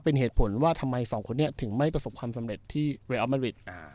เป็นเหตุผลว่าทำไมสองคนนี้ถึงไม่ประสบความสำเร็จที่เรียอัลมาริด